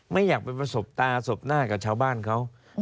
ไม่อยากไปประสบตาสบหน้ากับชาวบ้านเขา